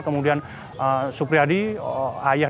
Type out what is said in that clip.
kemudian supriyadi ayah dari yayas juga masih jalan dengan jenazah